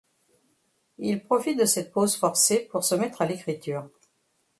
Il profite de cette pause forcée pour se mettre à l'écriture.